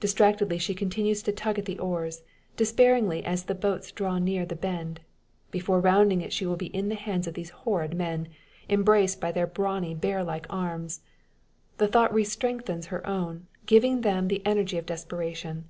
Distractedly she continues to tug at the oars; despairingly as the boats draw near the bend. Before rounding it she will be in the hands of those horrid men embraced by their brawny, bear like arms! The thought re strengthens her own, giving them the energy of desperation.